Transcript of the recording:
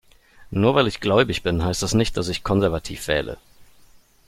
Nur weil ich gläubig bin, heißt das nicht, dass ich konservativ wähle.